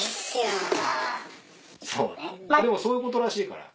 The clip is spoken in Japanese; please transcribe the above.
そうまぁでもそういうことらしいから。